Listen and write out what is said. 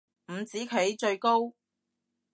五子棋最高